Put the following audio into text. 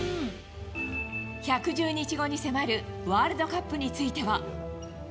１１０日後に迫るワールドカップについては。